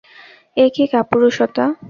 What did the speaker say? এ কী কাপুরুষতা!